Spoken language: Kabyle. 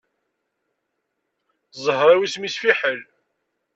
Ẓẓher-iw isem-is fiḥel.